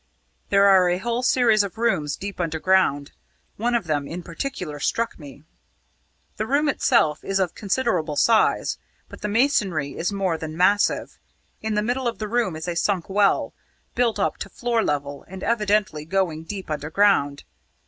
There are a whole series of rooms deep underground. One of them in particular struck me. The room itself is of considerable size, but the masonry is more than massive. In the middle of the room is a sunk well, built up to floor level and evidently going deep underground.